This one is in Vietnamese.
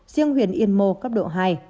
riêng huyện yên mô cấp độ hai